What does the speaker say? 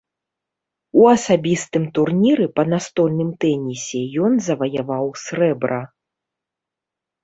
У асабістым турніры па настольным тэнісе ён заваяваў срэбра.